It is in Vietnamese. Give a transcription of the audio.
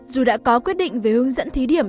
dù đã có quyết định về hướng dẫn thí điểm